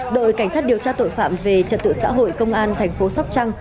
đội cảnh sát điều tra tội phạm về trật tự xã hội công an thành phố sóc trăng